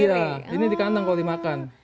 iya ini dikandang kalau dimakan